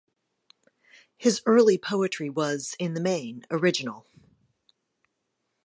His early poetry was in the main original.